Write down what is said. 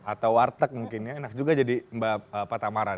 atau warteg mungkin ya enak juga jadi mbak patamaran